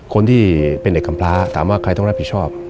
คนที่เป็นเด็กกำพลาถามว่าใครต้องรับผิดชอบ